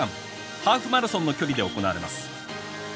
ハーフマラソンの距離で行われます。